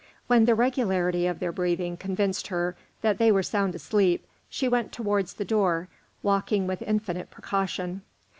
When the regularity of their breathing convinced her that they were sound asleep, she went towards the door, walking with infinite precaution.